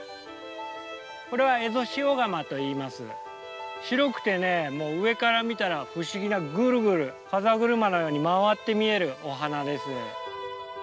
これは白くてねもう上から見たら不思議なぐるぐる風車のように回って見えるお花です。